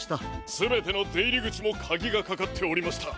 すべてのでいりぐちもカギがかかっておりました！